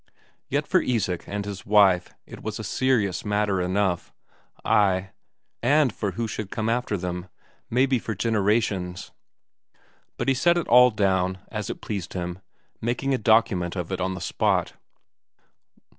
Yet for Isak and his wife it was a serious matter enough ay, and for who should come after them, maybe for generations. But he set it all down, as it pleased him, making a document of it on the spot.